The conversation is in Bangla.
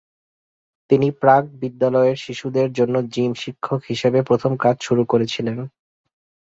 তিনি প্রাক বিদ্যালয়ের শিশুদের জন্য জিম শিক্ষক হিসাবে প্রথম কাজ শুরু করেছিলেন।